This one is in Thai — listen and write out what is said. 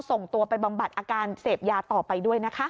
ส่งตัวไปบำบัดอาการเสพยาต่อไปด้วยนะคะ